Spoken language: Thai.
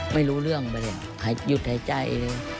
ไม่รู้เรื่องไปเลยหยุดหายใจเลย